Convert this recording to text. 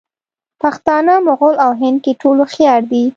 پښتانه، مغل او هندکي ټول هوښیار دي.